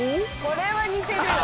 これは似てるよ。